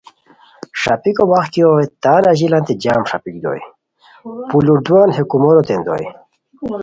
ݰاپیکو وخت کی ہوئے تان اژیلیانتے جم ݰاپیک دوئے، پولوئیدوان ہے کوموروتین دوئے